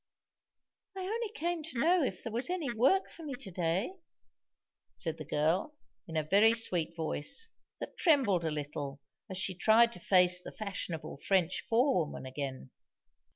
"I only came to know if there was any work for me to day," said the girl, in a very sweet voice, that trembled a little as she tried to face the fashionable French forewoman again.